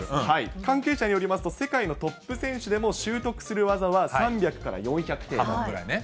関係者によりますと、世界のトップ選手でも、習得する技は３００から４００程度。